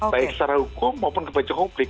baik secara hukum maupun kepada publik